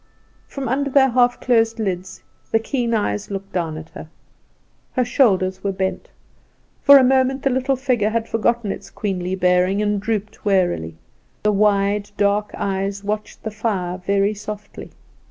From under their half closed lids the keen eyes looked down at her. Her shoulders were bent; for a moment the little figure had forgotten its queenly bearing, and drooped wearily; the wide, dark eyes watched the fire very softly.